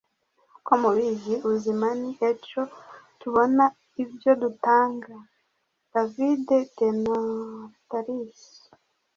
Nkuko mubizi, ubuzima ni echo; tubona ibyo dutanga. ”- David DeNotaris